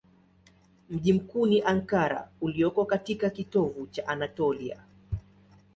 Mji mkuu ni Ankara ulioko katika kitovu cha Anatolia.